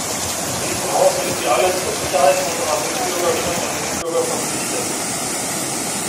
In diesem Haus sind wir alle zur Sicherheit unserer Mitbürgerinnen und Mitbürger verpflichtet.